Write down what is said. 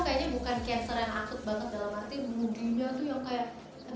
kan abis ini harus dikontrol ke single